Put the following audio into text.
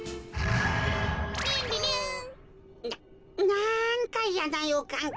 なんかやなよかん。